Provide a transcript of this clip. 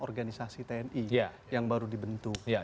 organisasi tni yang baru dibentuk